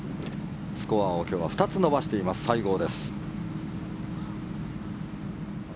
スコアを今日は２つ伸ばしています、西郷です。